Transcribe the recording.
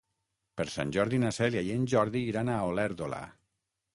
Per Sant Jordi na Cèlia i en Jordi iran a Olèrdola.